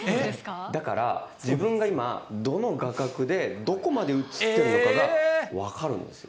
だから、自分が今、どの画角でどこまで映っているのかが分かるんですよ。